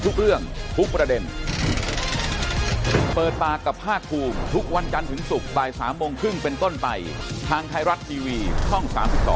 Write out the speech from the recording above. ทุกวันกันถึงศุกร์บรายสามโมงครึ่งเป็นต้นไปทางไทยรัฐทีวีช่อง๓๒